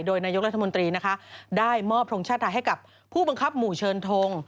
โดยนายกรัฐมนตรีนะคะได้มอบทรงชาติไทยให้กับผู้บังคับหมู่เชิญทง